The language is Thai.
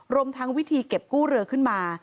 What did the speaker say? รวมทั้งวิธีเก็บกู้เรือขึ้นมา